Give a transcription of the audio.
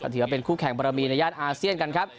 ถือว่าเป็นคู่แข่งบรมีในย่านอาเซียนกันครับ